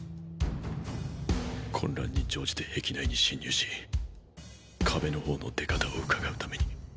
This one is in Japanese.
混乱に乗じて壁内に侵入し壁の王の出方を窺うために。